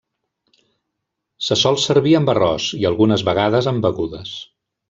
Se sol servir amb arròs i algunes vegades amb begudes.